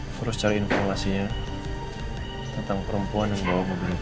terus cari informasinya tentang perempuan yang bawa mobil itu